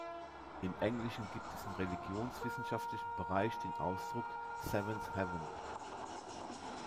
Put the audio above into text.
Im Englischen gibt es im religionswissenschaftlichen Bereich den Ausdruck "seventh heaven".